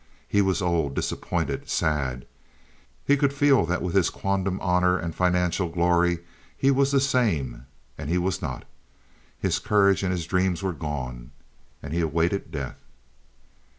He was old, disappointed, sad. He could feel that with his quondam honor and financial glory, he was the same—and he was not. His courage and his dreams were gone, and he awaited death.